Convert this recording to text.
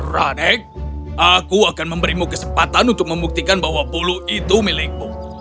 rane aku akan memberimu kesempatan untuk membuktikan bahwa polu itu milikmu